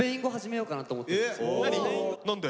何で？